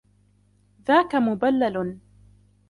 ذاك مبلل.